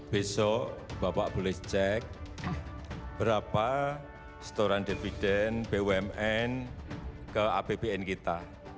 besok bapak boleh cek berapa setoran dividen bumn ke apbn kita